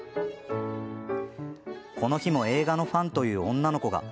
この日も映画のファンという女の子が。